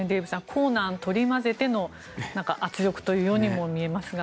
硬軟織り交ぜての圧力というようにも見えますが。